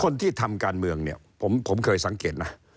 คนที่ทำการเมืองเนี่ยผมเคยสังเกตนะ